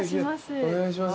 お願いします。